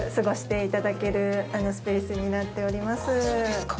ああそうですか。